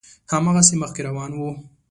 هماغسې مخکې روان و.